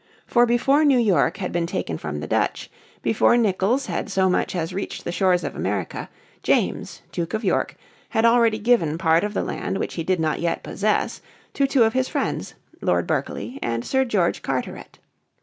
For before New York had been taken from the Dutch, before Nicholls had so much as reached the shores of America, James, Duke of York, had already given part of the land which he did not yet possess to two of his friends, Lord Berkeley and Sir George Carteret.